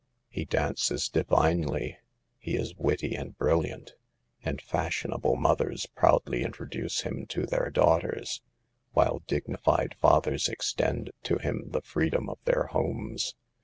He dances divinely ; he is witty and bril liant, and fashionable mothers proudly intro duce him to their daughters, while dignified fathers extend to him the freedom of their homes.